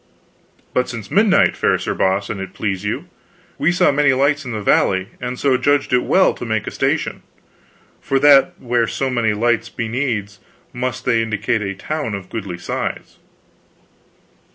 "But since midnight, fair Sir Boss, an it please you. We saw many lights in the valley, and so judged it well to make a station, for that where so many lights be needs must they indicate a town of goodly size."